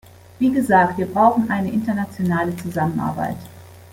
Wie gesagt, wir brauchen eine internationale Zusammenarbeit.